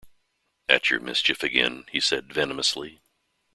“At your mischief again?” he said venomously.